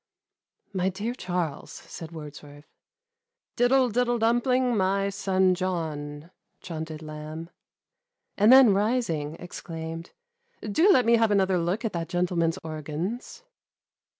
"My dear Charles," said Wordsworth, " Diddle diddle dumpling, my «on John," chaunted Lamh ; and then rising, exclaimed, " Do let me have another look at that gentleman's organs."